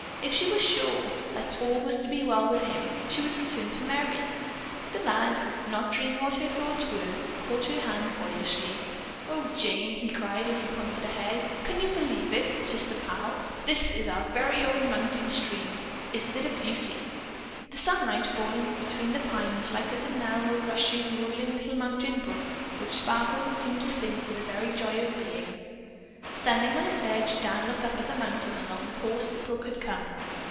If she were sure that all was to be well with him, she would return to Merry. The lad, not dreaming what her thoughts were, caught her hand boyishly. "Oh, Jane," he cried as he pointed ahead, "can you believe it, Sister pal, that is our very own mountain stream! Isn't it a beauty?" The sunlight, falling between the pines, lighted the narrow, rushing, whirling little mountain brook, which sparkled and seemed to sing for the very joy of being. Standing on its edge, Dan looked up the mountain along the course the brook had come.